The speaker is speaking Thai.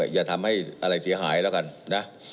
อย่าทำให้อะไรเสียหายแล้วกันนะ